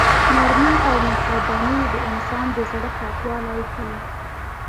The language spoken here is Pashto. نرمي او مهرباني د انسان د زړه پاکوالی ښيي.